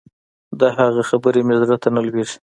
د هغه خبرې مې زړه ته نه لوېدې.